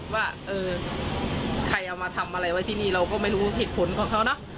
ว่าเออใครเอามาทำอะไรไว้ที่นี่เราก็ไม่รู้เหตุผลของเขาเนอะ